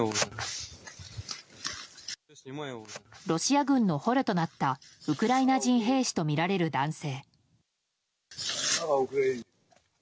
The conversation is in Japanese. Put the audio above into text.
ロシア軍の捕虜となったウクライナ人兵士とみられる男性。